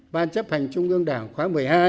ban chấp hành trung ương đảng khóa một mươi hai